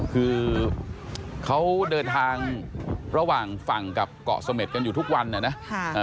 คือเขาเดินทางระหว่างฝั่งกับเกาะเสม็ดกันอยู่ทุกวันนะ